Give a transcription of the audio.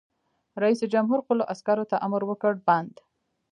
رئیس جمهور خپلو عسکرو ته امر وکړ؛ بند!